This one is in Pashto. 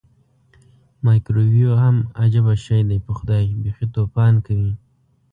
مایکرو ویو هم عجبه شی دی پخدای بیخې توپان کوي.